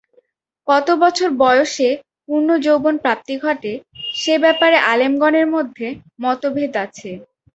কত বছর বয়সে পূর্ণ যৌবন প্রাপ্তি ঘটে, সে ব্যাপারে আলেমগণের মধ্যে মতভেদ আছে।